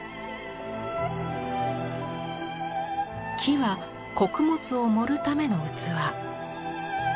は穀物を盛るための器。